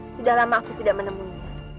sudah lama aku tidak menemuinya